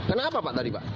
karena apa pak tadi pak